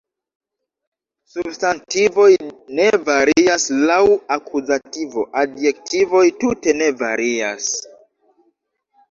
Substantivoj ne varias laŭ akuzativo, adjektivoj tute ne varias.